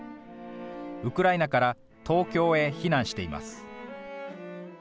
ウクライナから東京へ避難しています。